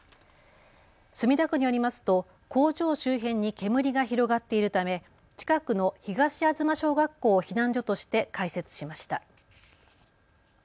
墨田区によりますと工場周辺に煙が広がっているため近くの東吾嬬小学校を避難所として開設しました。